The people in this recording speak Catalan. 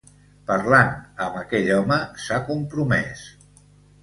Parlant amb aquell home s'ha compromès.